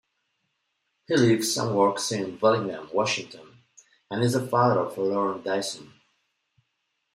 He lives and works in Bellingham, Washington and is the father of Lauren Dyson.